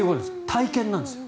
体験なんです。